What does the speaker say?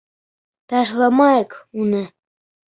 Ташламайыҡ уны!..